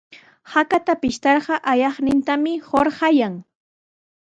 Hakata pishtarqa ayaqnintami hurqayan.